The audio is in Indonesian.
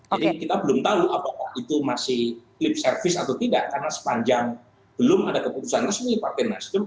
jadi kita belum tahu apakah itu masih lip servic atau tidak karena sepanjang belum ada keputusan resmi partai nasdem